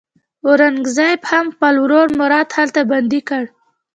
اورنګزېب هم خپل ورور مراد هلته بندي کړ.